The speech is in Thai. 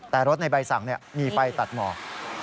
แต่รถในใบสั่งมีไฟตัดหมอก